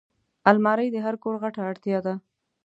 الماري د هر کور غټه اړتیا ده